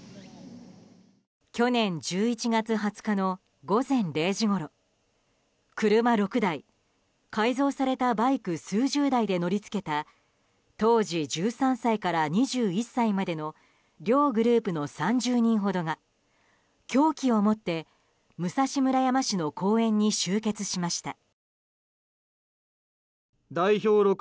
去年１１月２０日の午前０時ごろ車６台、改造されたバイク数十台で乗り付けた当時１３歳から２１歳までの両グループの３０人ほどが凶器を持って武蔵村山市の公園に集結しました。